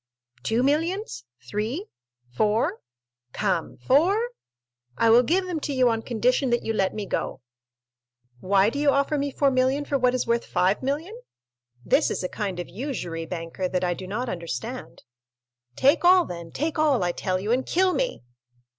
"Two millions?—three?—four? Come, four? I will give them to you on condition that you let me go." "Why do you offer me 4,000,000 for what is worth 5,000,000? This is a kind of usury, banker, that I do not understand." "Take all, then—take all, I tell you, and kill me!"